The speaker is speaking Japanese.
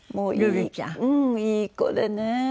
うんいい子でね。